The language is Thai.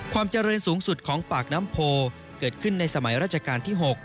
ความเจริญสูงสุดของปากน้ำโพเกิดขึ้นในสมัยราชการที่๖